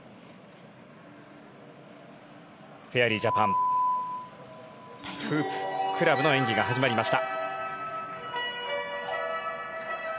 フェアリージャパンフープ・クラブの演技が始まりました。